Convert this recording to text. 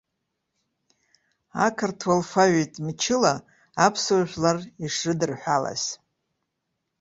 Ақырҭуа алфавит мчыла аԥсуа жәлар ишрыдырҳәалаз.